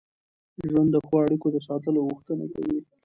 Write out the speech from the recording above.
ژوند د ښو اړیکو د ساتلو غوښتنه کوي.